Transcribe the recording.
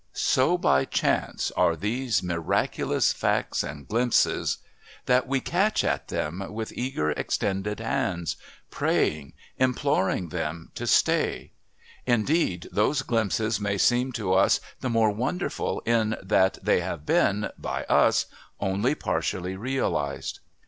So by chance are these miraculous facts and glimpses that we catch at them with eager, extended hands, praying, imploring them to stay; indeed those glimpses may seem to us the more wonderful in that they have been, by us, only partially realised.